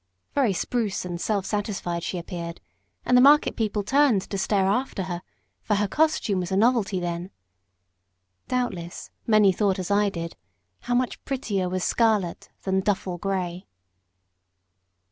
Very spruce and self satisfied she appeared, and the market people turned to stare after her, for her costume was a novelty then. Doubtless, many thought as I did, how much prettier was scarlet than duffle grey.